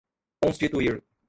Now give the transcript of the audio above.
constituir